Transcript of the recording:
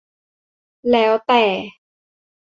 แล้วแต่